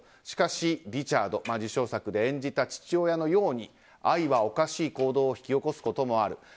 しかし、リチャード受賞作で演じた父親のように愛はおかしい行動を引き起こすこともある。